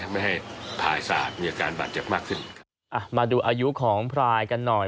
มาดูอายุของพลายกันหน่อย